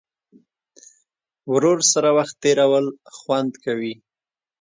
ورور سره وخت تېرول خوند کوي.